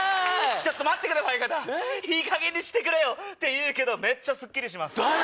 ちょっと待ってくれファイ方いいかげんにしてくれよ！っていうけどスッキリします。